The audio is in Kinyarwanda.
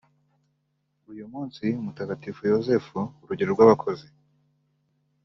Uyu munsi Mutagatifu Yozefu urugero rw’abakozi